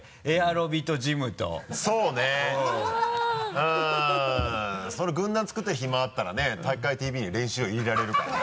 うんその軍団作ってる暇あったらね「体育会ＴＶ」の練習を入れられるからね。